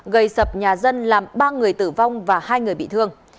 gây sập nhà dân làm ba người tử vong và hai người bị thương